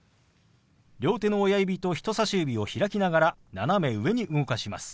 両手の親指と人さし指を開きながら斜め上に動かします。